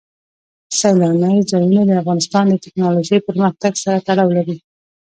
سیلانی ځایونه د افغانستان د تکنالوژۍ پرمختګ سره تړاو لري.